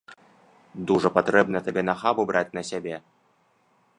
Дужа патрэбна табе нахабу браць на сябе!